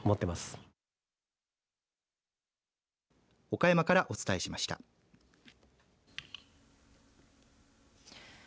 岡山からお伝えしました。